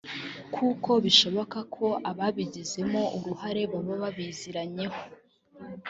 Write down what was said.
kuko bishoboka ko ababigizemo uruhare baba babiziranyeho